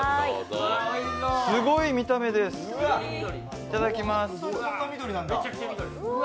すごい見た目です、いただきます。